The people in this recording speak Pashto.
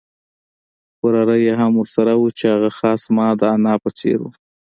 وراره یې هم ورسره وو چې هغه خاص زما د انا په څېر وو.